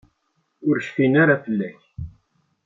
Ur cfin ara fell-ak.